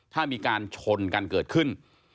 ถ้ามีการชนกันเกิดขึ้น